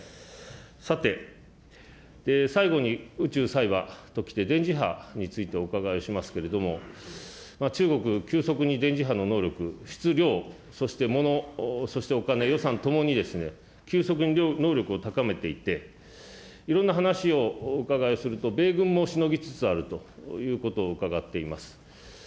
さて、最後に宇宙、サイバーと来て、電磁波についてお伺いしますけれども、中国、急速に電磁波の能力、質、量、そしてもの、そしてお金、予算ともに急速に能力を高めていて、いろんな話をお伺いすると、米軍もしのぎつつあるということを伺っております。